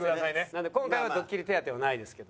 なので今回はドッキリ手当はないですけど。